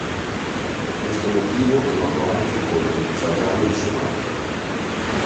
Per questo motivo è noto anche come "fagiano di Sumatra".